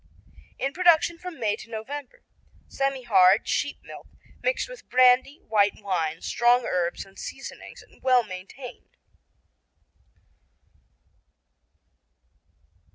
In production from May to November. Semihard, sheep milk, mixed with brandy, white wine, strong herbs and seasonings and well marinated.